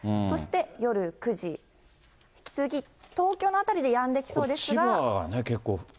そして夜９時、引き続き、東京の辺りでやんできそうですが。